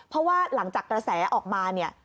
เพราะว่าหลังจากกระแสออกมาเนี่ย